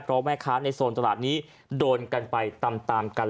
เพราะแม่ค้าในโซนตลาดนี้โดนกันไปตามกัน